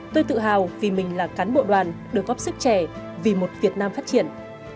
tôi tự hào vì mình là cán bộ đoàn được góp sức trẻ vì một việt nam phát triển